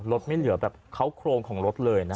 ไม่เหลือแบบเขาโครงของรถเลยนะ